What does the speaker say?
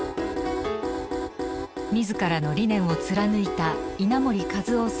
自らの理念を貫いた稲盛和夫さん